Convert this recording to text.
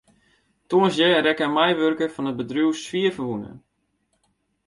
Tongersdei rekke in meiwurker fan it bedriuw swierferwûne.